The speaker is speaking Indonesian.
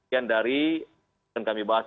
yang dari yang kami bahas